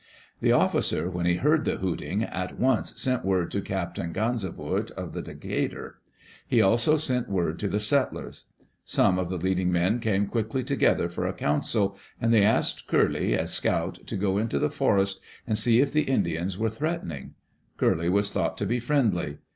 The officer, when he heard the hooting, at once sent word to Captain Ganzevoort of the Decatur. He also sent word to the settlers. Some of the leading men came quickly together for a council; and they asked Curley, a scout, to go into the forest and see if the Indians were threatening. Curley was thought to be friendly.